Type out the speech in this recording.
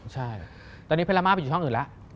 ใช่ตอนนี้เพลาม่าไปอยู่ช่องอื่นแล้ว